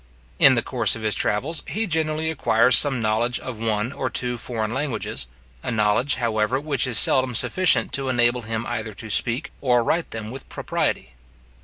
In the course of his travels, he generally acquires some knowledge of one or two foreign languages; a knowledge, however, which is seldom sufficient to enable him either to speak or write them with propriety.